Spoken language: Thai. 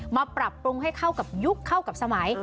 ปรับปรุงให้เข้ากับยุคเข้ากับสมัย